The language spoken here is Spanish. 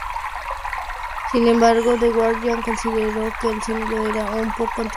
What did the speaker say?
Sin embargo, The Guardian consideró que el sonido era "un poco anticuado".